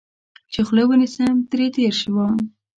چې خوله ونیسم، ترې تېر شوم.